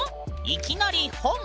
いきなり本。